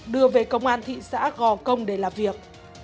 đưa về công an thị xã gò công để làm việc